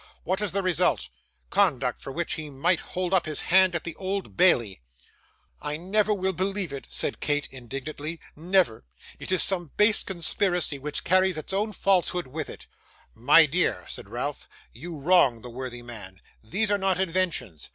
What is the result? Conduct for which he might hold up his hand at the Old Bailey.' 'I never will believe it,' said Kate, indignantly; 'never. It is some base conspiracy, which carries its own falsehood with it.' 'My dear,' said Ralph, 'you wrong the worthy man. These are not inventions.